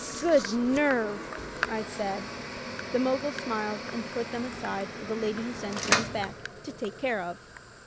"Good nerve:" I said. The Mogul smiled and put them aside for the lady who sends thing& back to take care of.